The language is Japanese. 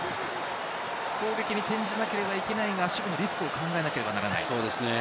攻撃に転じなければいけないが、リスクを考えなければいけない。